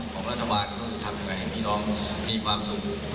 ของรัฐบาลก็คือทำยังไงให้พี่น้องมีความสุข